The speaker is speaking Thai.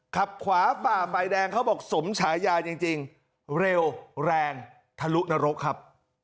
ขับขวาฝ่าไฟแดงเขาบอกสมฉายาจริงเร็วแรงทะลุนรกครับ